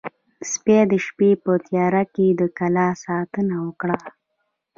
سپي د شپې په تیاره کې د کلا ساتنه وکړه.